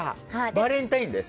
バレンタインで？